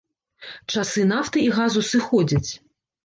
Часы нафты і газу сыходзяць.